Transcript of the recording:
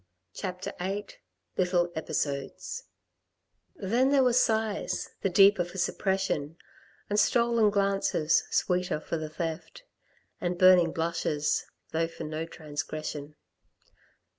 CHAPTER VIII LITTLE EPISODES " Then there were sighs, the deeper for suppression, And stolen glances sweeter for the theft, And burning blushes, though for no transgression.'